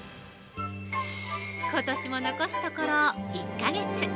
ことしも残すところ１か月。